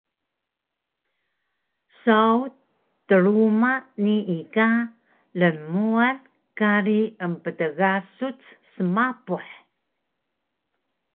Saw truma nii ka lnmuan kari emptgasuc smapuh